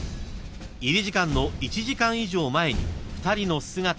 ［入り時間の１時間以上前に２人の姿はあった］